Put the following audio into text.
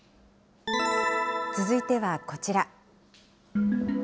続いてはこちら。